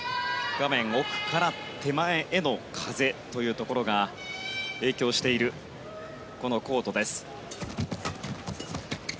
画面奥から手前への風というところが影響している、このコートです。